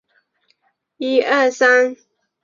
繁缕虎耳草为虎耳草科虎耳草属下的一个种。